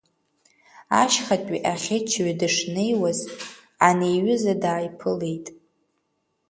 Ашьхатәи аӷьычҩы дышнеиуаз ани иҩыза дааиԥылеит.